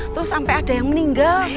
terus sampai ada yang meninggal